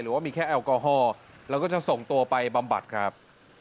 ว่ามีแค่แอลกอฮอล์แล้วก็จะส่งตัวไปบำบัดครับ